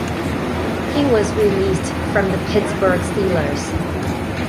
He was released from the Pittsburgh Steelers.